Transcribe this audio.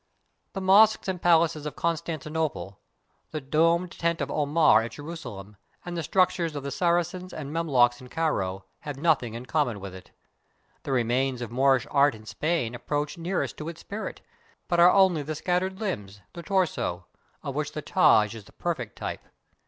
The mosques and palaces of Constantinople, the domed tent of Omar at Jerusa lem, and the structures of the Saracens and Memlooks at Cairo, have nothing in common with it. The remains of Moorish art in Spain approach nearest to its spirit, but are only the scattered limbs, the torso, of which the Taj is the perfect t}'pe.